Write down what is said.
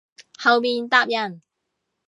後面搭人